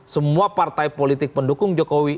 semua partai politik pendukung jokowi